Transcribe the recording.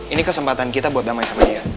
ini kesempatan kita buat damai sama dia